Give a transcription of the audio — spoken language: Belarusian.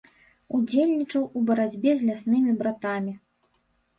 Удзельнічаў у барацьбе з ляснымі братамі.